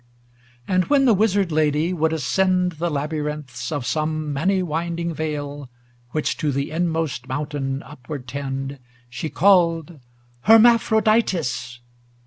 XLIII And when the Wizard Lady would ascend The labyrinths of some many winding vale. Which to the inmost mountain upward tend. She called ' Hermaphroditus